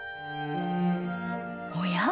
おや？